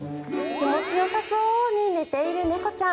気持ちよさそうに寝ている猫ちゃん。